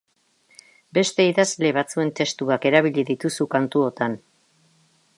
Beste idazle batzuen testuak erabili dituzu kantuotan.